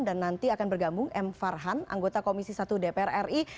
dan nanti akan bergabung m farhan anggota komisi satu dpr ri